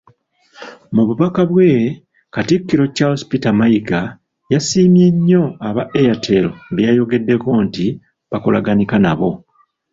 Mububaka bwe, Katikkiro Charles Peter Mayiga yasiimye nnyo aba Airtel beyayogeddeko nti bakolaganika nabo.